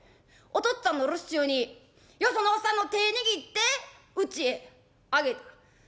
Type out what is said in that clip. おとっつぁんの留守中によそのおっさんの手ぇ握ってうちへ上げた。